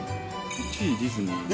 １位ディズニー。